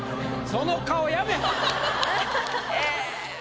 その顔やめぇ。